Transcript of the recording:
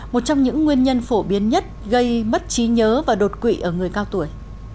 một trong những nguyên nhân phổ biến nhất gây mất trí nhớ và đột quỵ ở người cao tuổi